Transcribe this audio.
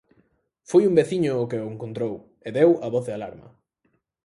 Foi un veciño o que o encontrou, e deu a voz de alarma.